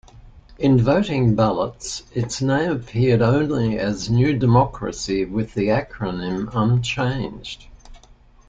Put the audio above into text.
In voting ballots, its name appeared only as New Democracy, with the acronym unchanged.